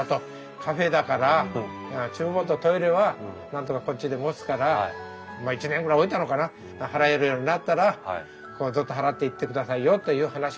カフェだから厨房とトイレはなんとかこっちで持つから１年ぐらい置いたのかな払えるようになったらずっと払っていってくださいよという話はして。